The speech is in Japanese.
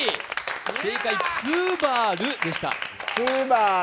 正解、ツバルでした。